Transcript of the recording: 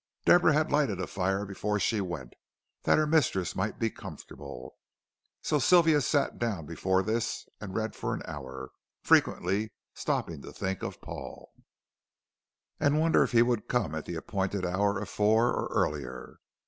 Deborah had lighted a fire before she went, that her mistress might be comfortable, so Sylvia sat down before this and read for an hour, frequently stopping to think of Paul, and wonder if he would come at the appointed hour of four or earlier.